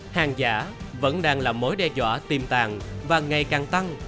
hàng giả vẫn đang là mối đe dọa tiềm tàng và ngày càng tăng